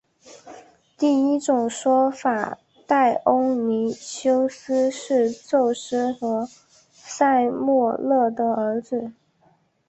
第一种说法戴欧尼修斯是宙斯和塞墨勒的儿子。